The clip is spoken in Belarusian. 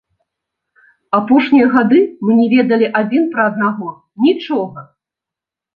Апошнія гады мы не ведалі адзін пра аднаго нічога.